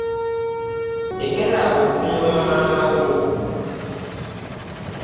Lekeraawo okunyoma maama wo.